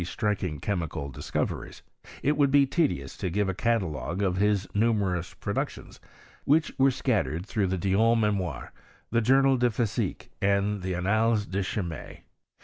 189 striking chemical discoveries, it would be tedious to give a catalogue of his numerous productions which were scattered through the Dijon Memoirs, the Journal de Physique, and the Annales de Chimie.